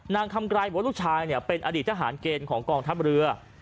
นางคำกรายบวชลูกชายเนี่ยเป็นอดีตทหารเกณฑ์ของกองทัพเรือ